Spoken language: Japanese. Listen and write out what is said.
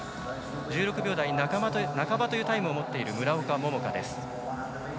１６秒台半ばというタイムを持っている村岡桃佳です。